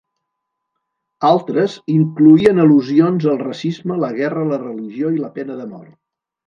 Altres, incloïen al·lusions al racisme, la guerra, la religió i la pena de mort.